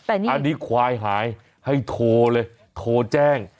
อันนี้ควายหายให้โทรเลยโทรแจ้ง